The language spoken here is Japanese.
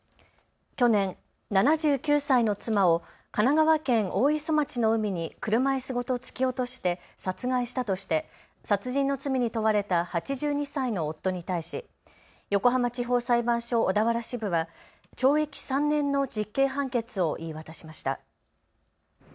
去年、７９歳の妻を神奈川県大磯町の海に車いすごと突き落として殺害したとして殺人の罪に問われた８２歳の夫に対し横浜地方裁判所小田原支部は懲役３年の実刑判決を言い渡しました。